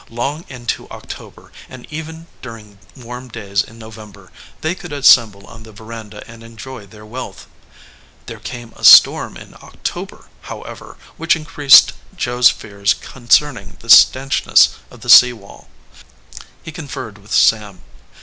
Long into October, and even during warm days in November, they could assemble on the veranda and enjoy their wealth. There came a storm in October, however, which increased Joe s fears concerning the stanch ness of the sea wall. He conferred with Sam.